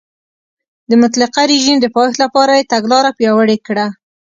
د مطلقه رژیم د پایښت لپاره یې تګلاره پیاوړې کړه.